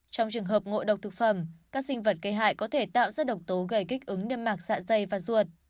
trong trường hợp ngộ độc thực phẩm các sinh vật gây hại có thể tạo ra độc tố gây kích ứng niêm mạc dạ dày và ruột